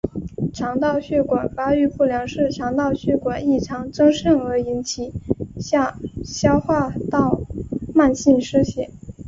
肠道血管发育不良是肠道血管异常增生而引起下消化道慢性失血。